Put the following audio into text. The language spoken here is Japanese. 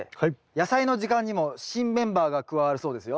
「やさいの時間」にも新メンバーが加わるそうですよ。